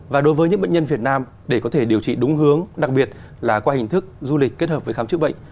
và đối với những bệnh nhân việt nam để có thể điều trị đúng hướng đặc biệt là qua hình thức du lịch kết hợp với khám chữa bệnh